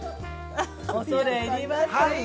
◆恐れ入ります。